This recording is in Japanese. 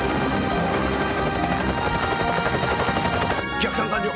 逆探完了！